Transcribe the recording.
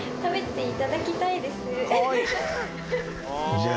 じゃあ。